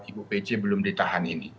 ibu pc belum ditahan ini